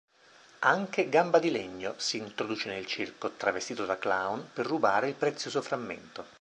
Anche Gambadilegno si introduce nel circo, travestito da clown, per rubare il prezioso frammento.